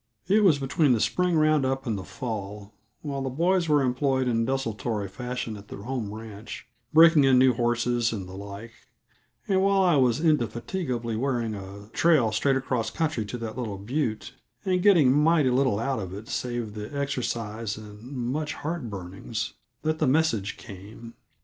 It was between the spring round up and the fall, while the boys were employed in desultory fashion at the home ranch, breaking in new horses and the like, and while I was indefatigably wearing a trail straight across country to that little butte and getting mighty little out of it save the exercise and much heart burnings that the message came.